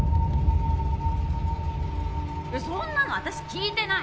えそんなの私聞いてない！